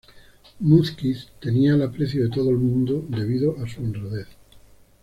Múzquiz tenía el aprecio de todo el mundo debido a su honradez.